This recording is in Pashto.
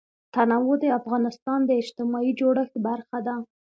تنوع د افغانستان د اجتماعي جوړښت برخه ده.